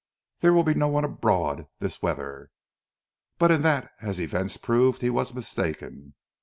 There will be no one abroad this weather." But in that, as events proved, he was mistaken.